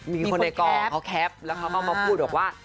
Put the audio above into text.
ให้เค้าพูดว่า